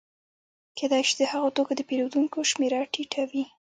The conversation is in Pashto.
کېدای شي د هغه توکو د پېرودونکو شمېره ټیټه وي